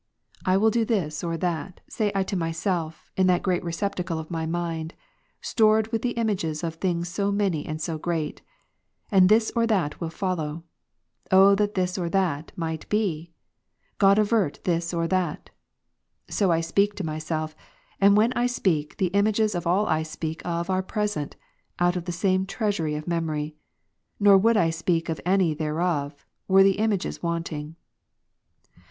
" I will do this or that," say I to myself, in 190 Men admire things without, not those more wonderful within. CONF. that great receptacle of my mind, stored witli the images of ^'^' things so many and so great, " and this or that will follow." " O that this or that might be !" "God avert this or that !" So speak I to myself: and when I speak, the images of all . I speak of are present, out of the same treasury of memory ; nor would I speak of any thereof, were the images wanting.